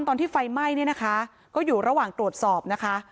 ตอนที่ไฟไหม้เนี่ยนะคะก็อยู่ระหว่างตรวจสอบนะคะ